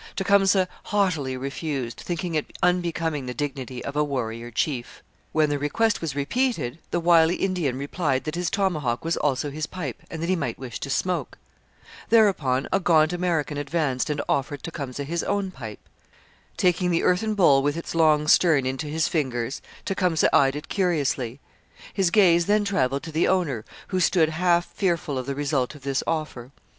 Tecumseh haughtily refused, thinking it unbecoming the dignity of a warrior chief. When the request was repeated, the wily Indian replied that his tomahawk was also his pipe and that he might wish to smoke. Thereupon a gaunt American advanced and offered Tecumseh his own pipe. Taking the earthen bowl with its long stern into his fingers, Tecumseh eyed it curiously; his gaze then travelled to the owner, who stood half fearful of the result of this offer.